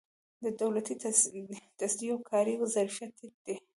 د دولتي تصدیو کاري ظرفیت ټیټ وي.